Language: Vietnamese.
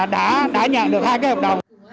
đã nhận được hai cái hợp đồng